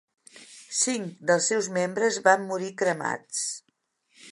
Cinc dels seus membres van morir cremats.